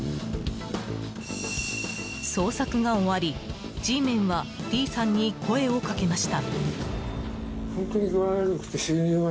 捜索が終わりＧメンはＤさんに声をかけました。